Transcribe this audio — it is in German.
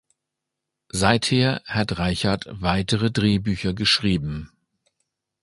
Seither hat Reichard weitere Drehbücher geschrieben.